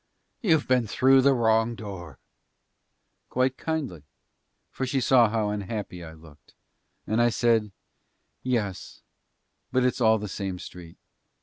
You've been through the wrong door," quite kindly for she saw how unhappy I looked. And I said, "Yes, but it's all the same street.